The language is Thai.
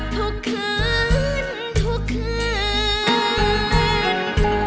ทุกคืนทุกคืน